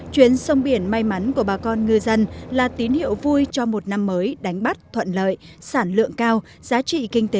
chuyến sông biển may mắn của bà con ngư dân là tín hiệu vui cho một năm mới đánh bắt thuận lợi sản lượng cao giá trị kinh tế